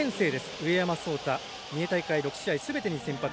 上山颯太、三重大会すべてに先発。